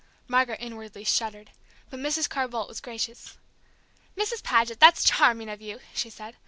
Margaret inwardly shuddered, but Mrs. Carr Boldt was gracious. "Mrs. Paget, that's charming of you," she said.